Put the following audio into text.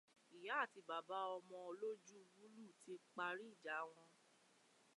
Ìyá àti bàbá ọmọ olójú búlù tí parí ìjà- wọ́n.